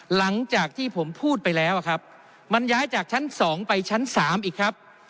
หลังจากที่ผมพูดไปแล้วครับมันย้ายจากชั้น๒ไปชั้น๓อีกครับ